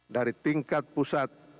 dari tingkat pusat